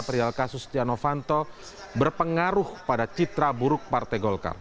perial kasus stiano fanto berpengaruh pada citra buruk partai golkar